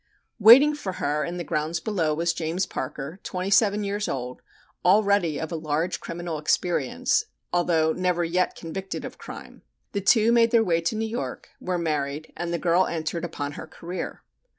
Waiting for her in the grounds below was James Parker, twenty seven years old, already of a large criminal experience, although never yet convicted of crime. The two made their way to New York, were married, and the girl entered upon her career.